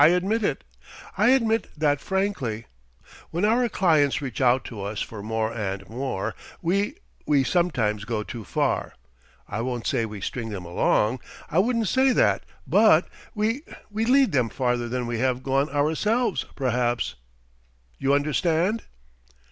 I admit it. I admit that frankly. When our clients reach out to us for more and more, we we sometimes go too far. I won't say we string them along. I wouldn't say that. But we we lead them farther than we have gone ourselves, perhaps. You understand?"